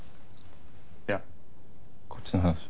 いやこっちの話。